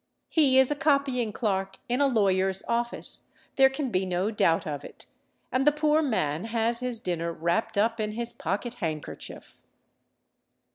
He is a copying clerk in a lawyer's office—there can be no doubt of it; and the poor man has his dinner wrapped up in his pocket handkerchief!